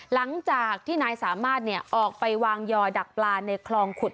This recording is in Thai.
หลังจากที่นายสามารถออกไปวางยออดักปลาในคลองขุด